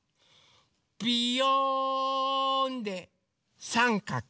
ビヨーンでさんかく。